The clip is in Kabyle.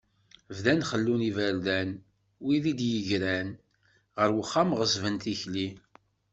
Bdan xellun iberdan, wid i d-yegran, ɣer wexxam ɣeṣben tikli.